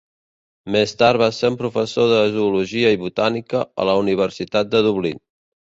Més tard va ser professor de zoologia i botànica a la Universitat de Dublín.